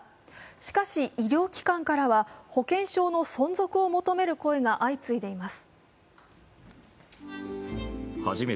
しかし、医療機関からは保険証の存続を求める声が相次いでいます。